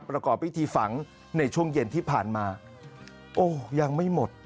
ประกอบพิธีฝังในช่วงเย็นที่ผ่านมาโอ้ยังไม่หมด